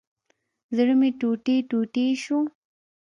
زړه مي ټوټي ټوټي شو